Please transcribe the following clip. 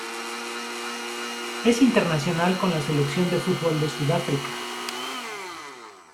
Es internacional con la selección de fútbol de Sudáfrica.